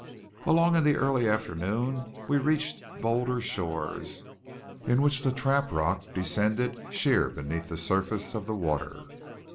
Along in the early afternoon we reached bolder shores in which the trap rock descended sheer beneath the surface of the water.